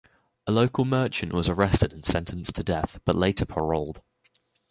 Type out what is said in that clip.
A local merchant was arrested and sentenced to death, but later paroled.